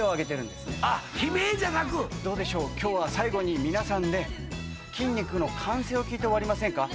悲鳴じゃなくどうでしょう今日は最後に皆さんで筋肉の歓声を聞いて終わりませんか？